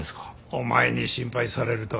お前に心配されるとはな。